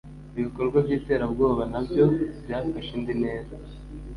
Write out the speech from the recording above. ibikorwa by'iterabwoba nabyo byafashe indi ntera